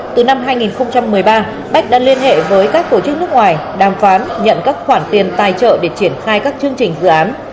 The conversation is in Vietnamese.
từ năm hai nghìn một mươi ba bách đã liên hệ với các tổ chức nước ngoài đàm phán nhận các khoản tiền tài trợ để triển khai các chương trình dự án